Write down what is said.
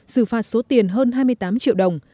xử phạt số tiền hơn hai mươi tám triệu đồng